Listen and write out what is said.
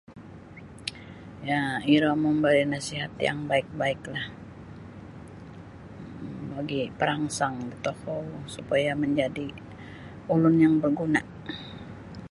Ya iro mambari' nasihat yang baik-baiklah bagi' parangsang da tokou supaya manjadi' ulun yang baguna'.